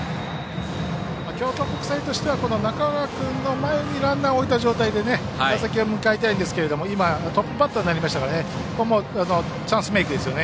京都国際としては中川君の前にランナーを置いた状態で打席を迎えたいんですけどトップバッターになりましたからチャンスメークですよね。